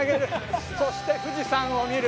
そして富士山を見る。